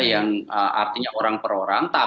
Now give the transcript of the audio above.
yang artinya orang per orang